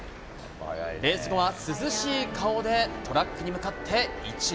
レース後は涼しい顔でトラックに向かって一礼。